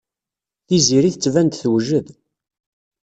Tiziri tettban-d tewjed.